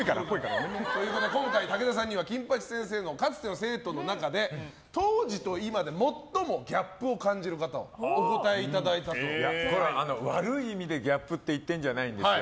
今回、武田さんには「金八先生」のかつての生徒の中で当時と今で最もギャップを感じる方をお答えいただいたと。悪い意味でギャップって言ってるんじゃないですよ。